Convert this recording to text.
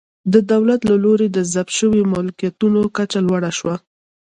د دولت له لوري د ضبط شویو ملکیتونو کچه لوړه شوه